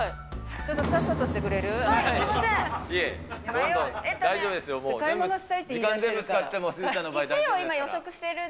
ちょっと、さっさとしてくれすみません。